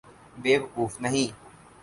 بے وقوف نہیں۔